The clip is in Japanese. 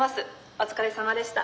お疲れさまでした」。